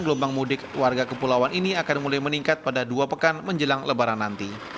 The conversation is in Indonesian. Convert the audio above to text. gelombang mudik warga kepulauan ini akan mulai meningkat pada dua pekan menjelang lebaran nanti